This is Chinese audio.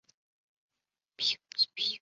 属茹伊斯迪福拉总教区。